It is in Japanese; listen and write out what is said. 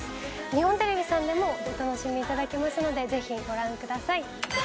日本テレビさんでもお楽しみいただけますのでぜひご覧ください。